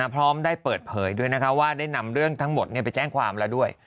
พร้อมได้เปิดเผยด้วยนะคะว่าได้นำเรื่องทั้งหมดไปแจ้งความแล้วด้วย